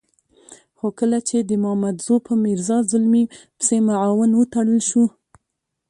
خو کله چې د مامدزو په میرزا زلمي پسې معاون وتړل شو.